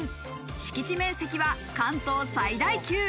敷地面積は関東最大級。